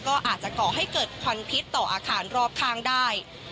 ก็อาจจะก่อให้เกิดควันพิษต่ออาคารรอบข้างได้